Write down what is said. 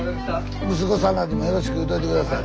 息子さんらにもよろしく言うといて下さい。